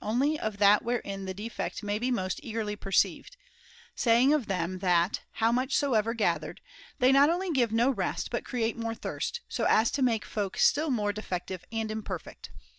] only of that wherein the defect may be most eagerly perceived, saying of them that ' how much soever gathered ' they not only give no rest but create more thirst, so as to make folk still more [loj defective and imperfect.